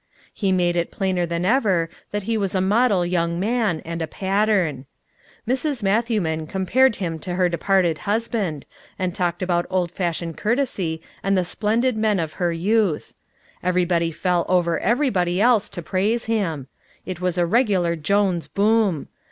He made it plainer than ever that he was a model young man and a pattern. Mrs. Matthewman compared him to her departed husband, and talked about old fashioned courtesy and the splendid men of her youth. Everybody fell over everybody else to praise him. It was a regular Jones boom.